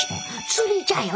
釣りじゃよ！